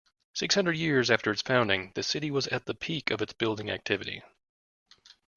Six hundred years after its founding, the city was at the peak of its building activity.